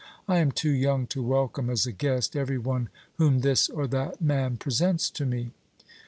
I am too young to welcome as a guest every one whom this or that man presents to me.